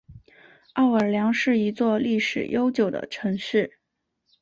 奥尔良是一座历史悠久的城市。